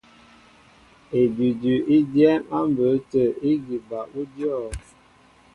Edʉdʉ í dyɛ́ɛ́m á mbə̌ tə̂ ígi bal ú dyɔ̂.